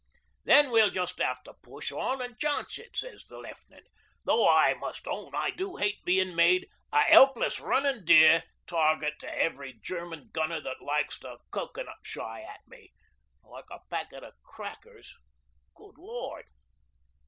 '"Then we'll just have to push on an' chance it," sez the Left'nant, "though I must own I do hate being made a helpless runnin' deer target to every German gunner that likes to coco nut shy at me. ... Like a packet o' crackers. ... Good Lord!"